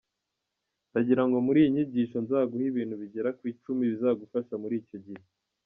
Ndagirango muri iyi nyigisho nzaguhe ibintu bigera ku icumi bizagufasha muri icyo gihe.